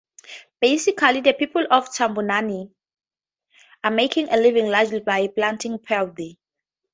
Basically the people of Tambunan are making a living largely by planting paddy.